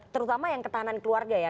terutama yang ketahanan keluarga ya